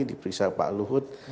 diperiksa pak luhut